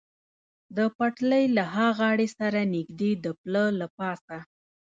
د پټلۍ له ها غاړې سره نږدې د پله له پاسه.